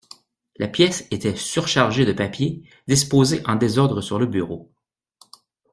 La pièce était surchargée de papiers, disposés en désordre sur le bureau